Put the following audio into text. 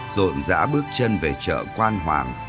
rộn rã bước chân về chợ quan hoàng